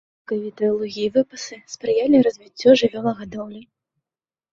Сакавітыя лугі і выпасы спрыялі развіццю жывёлагадоўлі.